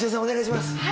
お願いします。